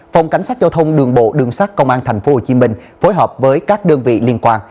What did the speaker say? phòng cảnh sát giao thông đường bộ đường sát công an tp hcm phối hợp với các đơn vị liên quan